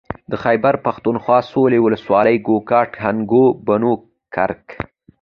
د خېبر پښتونخوا سوېلي ولسوالۍ کوهاټ هنګو بنو کرک